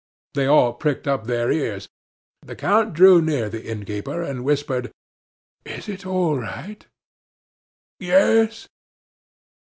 They all pricked up their ears. The count drew near the innkeeper, and whispered: "Is it all right?" "Yes."